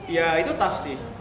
ya itu tough sih